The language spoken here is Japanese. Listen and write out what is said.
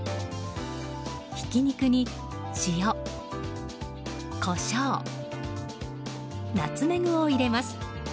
ひき肉に塩、コショウナツメグを入れます。